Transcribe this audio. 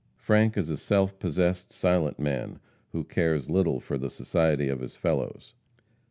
Frank is a self possessed, silent man, who cares little for the society of his fellows.